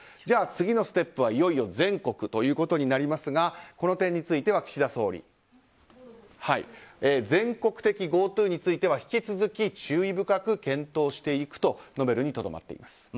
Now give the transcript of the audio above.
じゃあ、次のステップはいよいよ全国ということになりますがこの点について、岸田総理は全国的ＧｏＴｏについては引き続き注意深く検討していくと述べるにとどまっています。